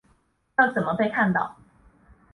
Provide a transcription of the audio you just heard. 要怎么被看到